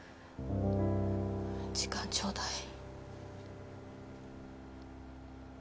時間ちょうだい。